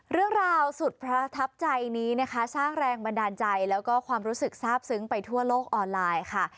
เรื่องราวสุดประทับใจนี้นะคะสร้างแรงบันดาลใจแล้วก็ความรู้สึกทราบซึ้งไปทั่วโลกออนไลน์ค่ะ